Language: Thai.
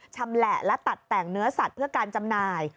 ชำแหละและตัดแต่งเนื้อสัตว์เพื่อการจำหน่าย